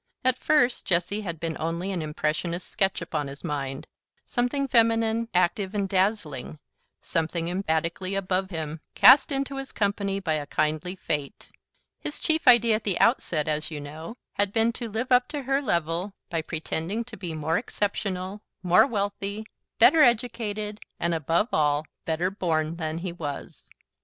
At first Jessie had been only an impressionist sketch upon his mind, something feminine, active, and dazzling, something emphatically "above" him, cast into his company by a kindly fate. His chief idea, at the outset, as you know, had been to live up to her level, by pretending to be more exceptional, more wealthy, better educated, and, above all, better born than he was.